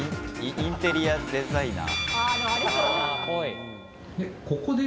インテリアデザイナー。